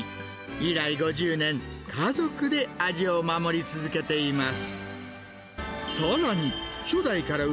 以来５０年、家族で味を守り続けています。